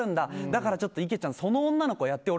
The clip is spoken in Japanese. だから、ちょっと池ちゃんその女の子やって。